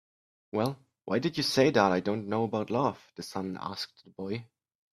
"Well, why did you say that I don't know about love?" the sun asked the boy.